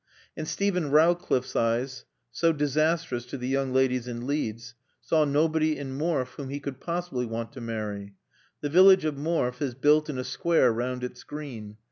And Steven Rowcliffe's eyes, so disastrous to the young ladies in Leeds, saw nobody in Morfe whom he could possibly want to marry. The village of Morfe is built in a square round its green.